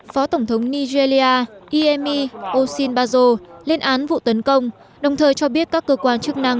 phó tổng thống nigeria iemi oshinbazo lên án vụ tấn công đồng thời cho biết các cơ quan chức năng